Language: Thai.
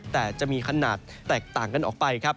แต่จะมีขนาดแตกต่างกันออกไปครับ